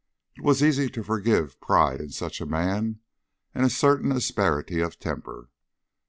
It was easy to forgive pride in such a man and a certain asperity of temper.